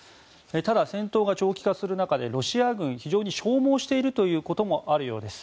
ただ、戦闘が長期化する中でロシア軍は非常に消耗しているということもあるようです。